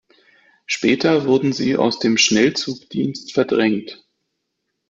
Später wurden sie aus dem Schnellzugdienst verdrängt.